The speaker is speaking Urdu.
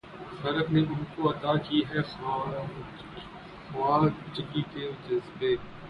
فلک نے ان کو عطا کی ہے خواجگی کہ جنھیں